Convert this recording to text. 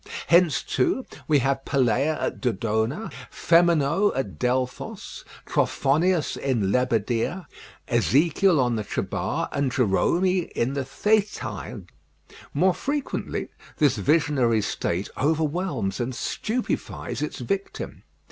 Hence, too, we have Peleia at Dodona, Phemonoe at Delphos, Trophonius in Lebadea, Ezekiel on the Chebar, and Jerome in the Thetais. More frequently this visionary state overwhelms and stupefies its victim.